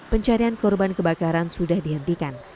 pencarian korban kebakaran sudah dihentikan